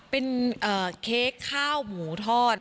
เป็นเค้กข้าวหมูทอด